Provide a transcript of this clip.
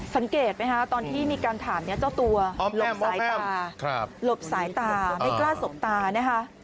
สังเกตไหมคะตอนที่มีการถามเจ้าตัวหลบสายตาหลบสายตาไม่กล้าสบตานะคะ